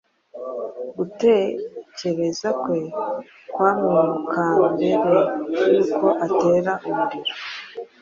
Gutekereza kwe kumwukambere yuko atera umuriro